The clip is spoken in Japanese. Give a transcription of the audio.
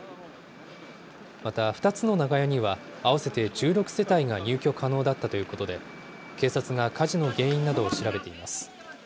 また、２つの長屋には合わせて１６世帯が入居可能だったということで、警察が火事の原因などを調べています。